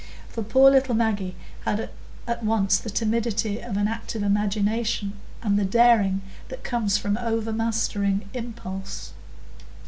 For poor little Maggie had at once the timidity of an active imagination and the daring that comes from overmastering impulse.